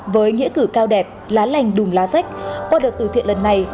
với nghĩa cử cao đẹp lá lành đùm lá rách qua đợt từ thiện lần này